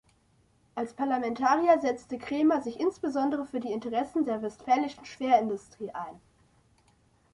Als Parlamentarier setzte Cremer sich insbesondere für die Interessen des westfälischen Schwerindustrie an.